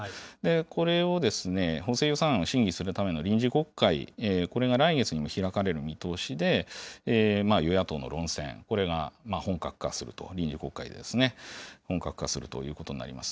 これを補正予算案を審議するための臨時国会、これが来月に開かれる見通しで、与野党の論戦、これが本格化すると、臨時国会でですね、本格化するということになります。